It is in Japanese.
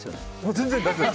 全然、大丈夫です。